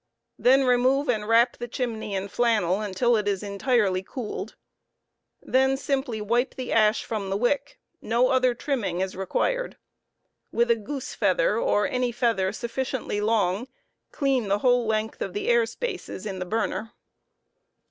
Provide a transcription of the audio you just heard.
Then remove and wrap the chimney fn flannel until it is i" entirely cooled. Then simply wipe the ash from the wick j no other trimming is required; With a goose feather or any feather sufficiently long, clean the whole length ,. of the air spaces iu the burner.